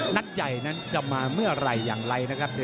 นัดใจจะมาเมื่อไรอย่างไรนะครับ